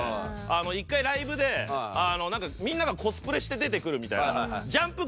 一回ライブでみんながコスプレして出てくるみたいな。